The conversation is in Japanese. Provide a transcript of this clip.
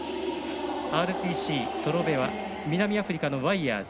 ＲＰＣ、ソロベワ南アフリカのワイヤーズ。